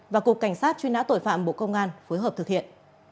và cục cảnh sát truy nã tội phạm bộ công an phối hợp thực hiện